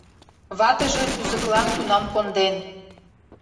Ватыже кузыклан тунам конден.